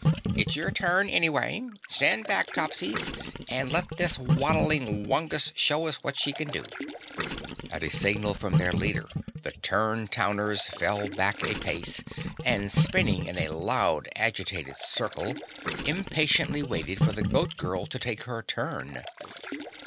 "It's your turn anyway. Stand back Topsies, and let this waddling whangus show us what she can do." At a signal from their leader the Turn Towners fell back a pace and spinning in a loud agitated circle, impatiently waited for the Goat Girl to take her turn.